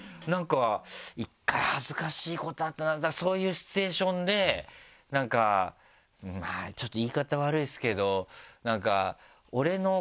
１回恥ずかしいことあったなそういうシチュエーションでなんかまぁちょっと言い方悪いですけど。